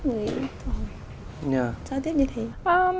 mới giao tiếp như thế